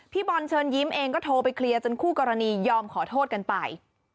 บอลเชิญยิ้มเองก็โทรไปเคลียร์จนคู่กรณียอมขอโทษกันไป